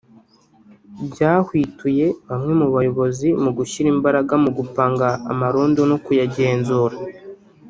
byahwituye bamwe mu bayobozi mu gushyira imbaraga mu gupanga amarondo no kuyagenzura”